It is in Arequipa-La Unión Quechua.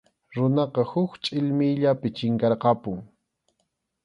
Runaqa huk chʼillmiyllapi chinkarqapun.